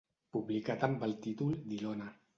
Publicat amb el títol d'"Ilona"